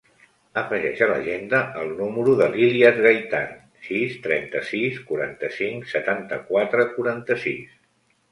Afegeix a l'agenda el número de l'Ilyas Gaitan: sis, trenta-sis, quaranta-cinc, setanta-quatre, quaranta-sis.